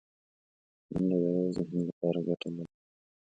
منډه د روغ ذهن لپاره ګټه لري